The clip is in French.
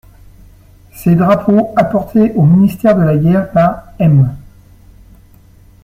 Ces drapeaux, apportés au ministère de la guerre par M.